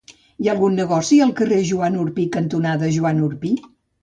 Hi ha algun negoci al carrer Joan Orpí cantonada Joan Orpí?